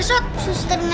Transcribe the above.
selalu ke cherno